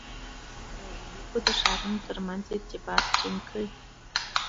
• رېل لیکو د ښارونو تر منځ ارتباط ټینګ کړ.